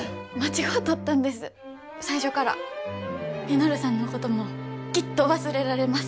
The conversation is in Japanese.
稔さんのこともきっと忘れられます。